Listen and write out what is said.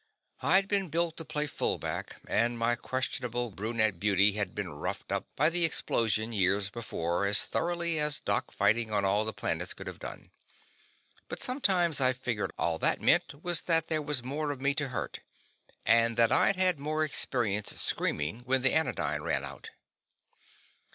I'd been built to play fullback, and my questionable brunet beauty had been roughed up by the explosion years before as thoroughly as dock fighting on all the planets could have done. But sometimes I figured all that meant was that there was more of me to hurt, and that I'd had more experience screaming when the anodyne ran out.